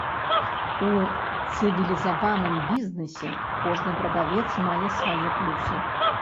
У цывілізаваным бізнэсе кожны прадавец мае свае плюсы.